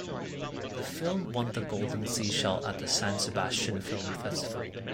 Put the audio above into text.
The film won the Golden Seashell at the San Sebastian Film Festival.